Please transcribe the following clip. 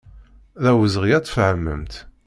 D awezɣi ad tfehmemt.